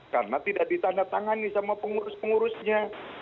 karena tidak ditandatangani sama pengurus pengurusnya